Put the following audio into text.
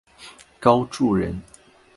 高翥人。